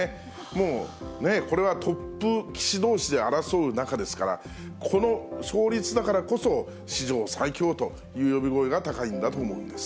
もう、これはトップ棋士どうしで争う中ですから、この勝率だからこそ、史上最強という呼び声が高いんだと思うんです。